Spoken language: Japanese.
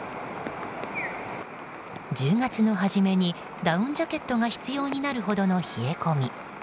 １０月の初めにダウンジャケットが必要になるほどの冷え込み。